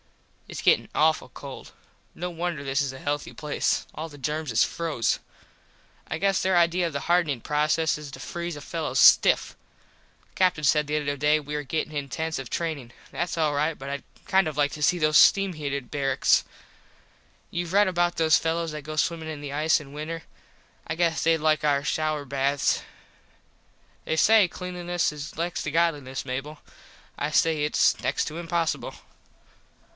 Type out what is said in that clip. Its gettin awful cold. No wonder this is a healthy place. All the germs is froze. I guess there idea of the hardenin proces is to freeze a fello stiff. The Captin said the other day we was gettin in tents of trainin. Thats all right but Id kind of like to see those steam heated barraks. Youve red about those fellos that go swimmin in the ice in winter. I guess thed like our shouer baths. They say Cleanliness is next to Godliness, Mable. I say its next to impossible.